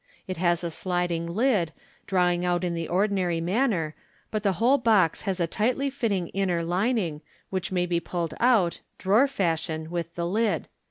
It has a sliding lid, drawing out in the ordinary manner, but the whole box has a tightly fitting inner lining, which may be pulled out, drawer fashion, with the lid.